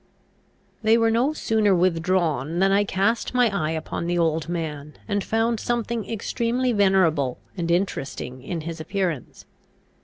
They were no sooner withdrawn than I cast my eye upon the old man, and found something extremely venerable and interesting in his appearance.